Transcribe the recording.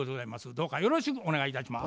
どうかよろしくお願いいたします。